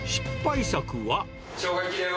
しょうが焼きだよ。